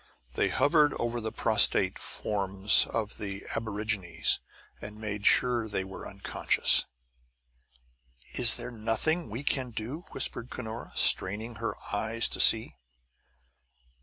They hovered over the prostrate forms of the aborigines and made sure that they were unconscious. "Is there nothing we can do?" whispered Cunora, straining her eyes to see.